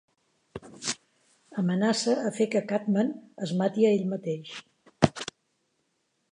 Amenaça a fer que Catman es mati a ell mateix.